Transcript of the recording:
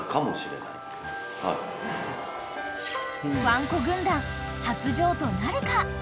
［ワンコ軍団初譲渡なるか？］